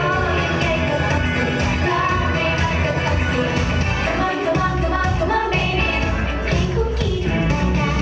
รักไม่รักจะรักไม่รักคุณรักจะยุ่งอีกเสียงนิด